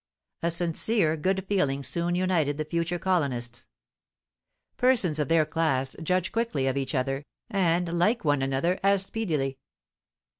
A sincere good feeling soon united the future colonists. Persons of their class judge quickly of each other, and like one another as speedily.